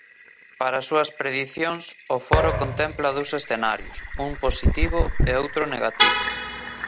Para as súas predicións, o Foro contempla dous escenarios, un positivo e outro negativo.